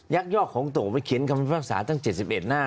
ยักยอกของตั๋วไปเขียนคำภาพศาสตร์ตั้งเจ็ดสิบเอ็ดหน้า